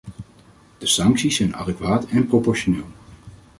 De sancties zijn adequaat en proportioneel.